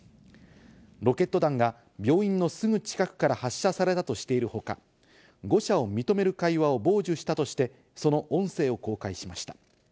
ロケット弾が病院のすぐ近くから発射されたとしている他、誤射を認める会話を傍受したとして、その音声を公開しました。